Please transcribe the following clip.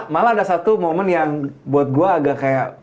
malah ada satu momen yang buat gue agak kayak